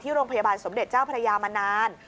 โรงพยาบาลสมเด็จเจ้าพระยามานาน